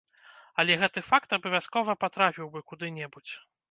Але гэты факт абавязкова патрапіў бы куды-небудзь.